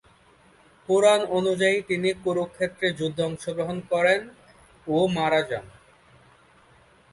পুরাণ অনুযায়ী তিনি কুরুক্ষেত্র যুদ্ধে অংশগ্রহণ করেন ও মারা যান।